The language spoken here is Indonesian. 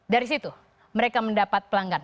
dari situ mereka mendapat pelanggan